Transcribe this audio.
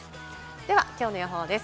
ではきょうの予報です。